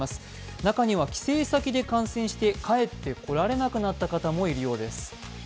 中には帰省先で感染して帰ってこられなくなった方もいるようです。